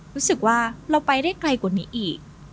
รู้สึกว่าเราไปได้ไกลกว่านี้อีก